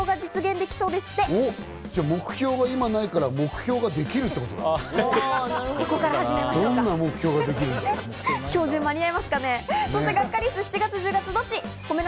目標が今ないから、目標ができるっていうことかな？